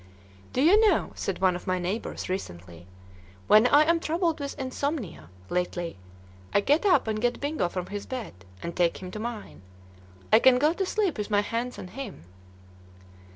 "Do you know," said one of my neighbors, recently, "when I am troubled with insomnia, lately, I get up and get Bingo from his bed, and take him to mine. I can go to sleep with my hands on him."